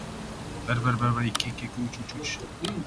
Gohida umuman yozmaslikka ham oʻrganib qolasan.